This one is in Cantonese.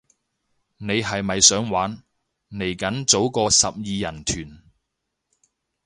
你係咪想玩，嚟緊組個十二人團